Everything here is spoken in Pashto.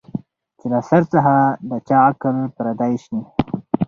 چي له سر څخه د چا عقل پردی سي